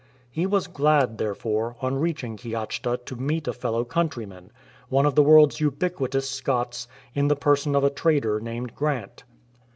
He was glad, therefore, on reaching Kiachta to meet a fellow country man, one of the world's ubiquitous Scots, in the person of a trader named Grant.